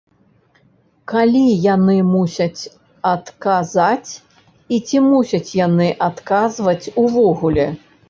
Калі яны мусяць адказаць і ці мусяць яны адказваць увогуле?